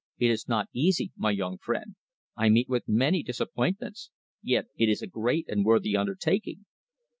It is not easy, my young friend. I meet with many disappointments. Yet it is a great and worthy undertaking."